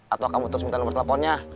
atau kamu terus minta nomor teleponnya